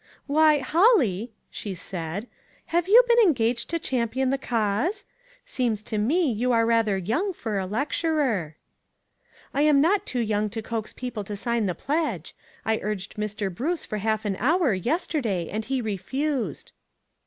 " Why, Holly," she said, " have you been engaged to champion the cause ? Seems to me you are rather young for a lecturer." "I'm not too young to coax people to sign the pledge. I urged Mr. Bruce for half an hour, yesterday, and he refused."